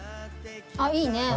あっいいね。